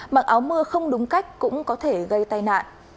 mặc áo mưa không đúng cách cũng có thể gây tai nạn